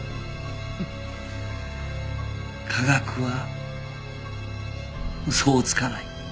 科学は嘘をつかない。